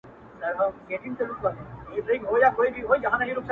هم خورما او هم ثواب -